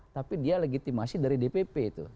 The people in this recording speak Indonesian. tapi dia legitimasi dari dpp itu